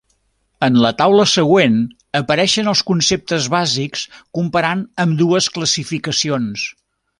En la taula següent apareixen els conceptes bàsics comparant ambdues classificacions.